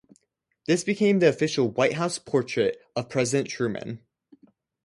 This became the official White House portrait of President Truman.